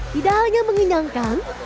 tidak hanya mengenyangkan